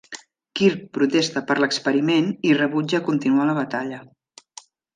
Kirk protesta per l"experiment i rebutja continuar la batalla.